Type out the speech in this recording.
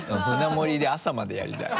舟盛りで朝までやりたい。